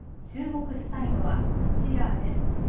注目したいのはこちらです。